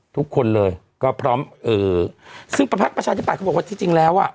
ทุกคนเลยก็พร้อมเอ่อซึ่งประพักประชาธิบัตยเขาบอกว่าที่จริงแล้วอ่ะ